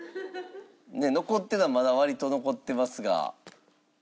残ってるのはまだ割と残っていますが。